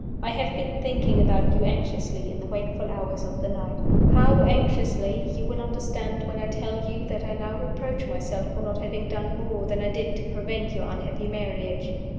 I have been thinking about you anxiously in the wakeful hours of the night. How anxiously, you will understand when I tell you that I now reproach myself for not having done more than I did to prevent your unhappy marriage.